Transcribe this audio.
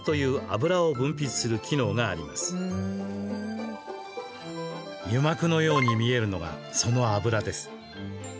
油膜のように見えるのがその油です。